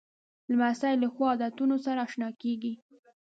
لمسی له ښو عادتونو سره اشنا کېږي.